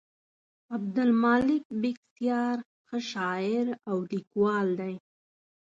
عبدالمالک بېکسیار ښه شاعر او لیکوال دی.